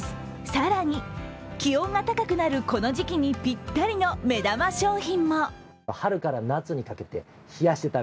更に、気温が高くなるこの時期にぴったりの目玉商品も。